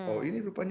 oh ini rupanya